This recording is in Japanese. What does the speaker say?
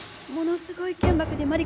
ものすごい剣幕で